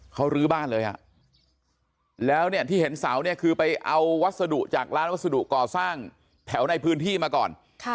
เขาลื้อบ้านเลยแล้วเนี่ยที่เห็นเสาเนี่ยคือไปเอาวัสดุจากร้านวัสดุก่อสร้างแถวในพื้นที่มาก่อน